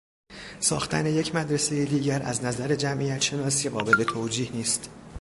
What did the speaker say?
ساختن یک مدرسهی دیگر از نظر جمعیتشناسی قابل توجیه نیست.